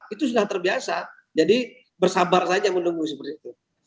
itu sudah terbiasa jadi bersabar saja menunggu seperti itu